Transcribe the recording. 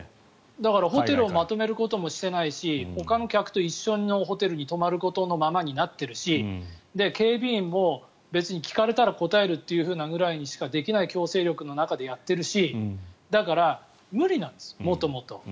だからホテルをまとめることもしてないしほかの客と一緒のホテルに泊まることのままになってるし警備員も別に聞かれたら答えるぐらいにしかできない強制力の中でやっているしだから無理なんです、元々。